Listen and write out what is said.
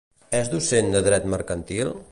És docent de dret mercantil?